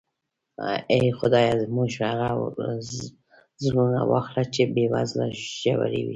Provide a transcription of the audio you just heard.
اې خدایه موږ هغه زړونه واخله چې بې وزله ژړوي.